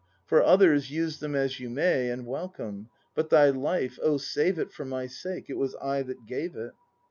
For others, use them as you may, And welcome. But thy life, O save it For my sake; it was I that gave it.